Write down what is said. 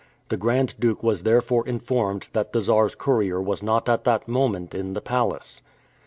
The Grand Duke was therefore informed that the Czar's courier was not at that moment in the palace.